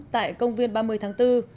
tại công viên ba mươi tháng bốn